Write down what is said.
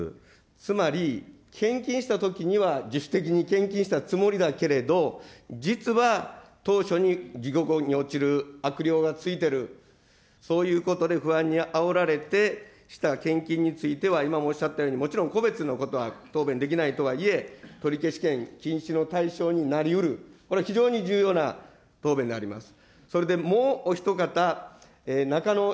つまり、献金したときには自主的に献金したつもりだけど、実は当初に悪霊がついてるそういうことで不安にあおられてした献金については、今おっしゃったように、もちろん、個別のことは答弁できないとはいえ、取消権の対象になりうる、これ、非常に重要な答弁であります。